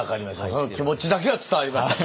その気持ちだけは伝わりました。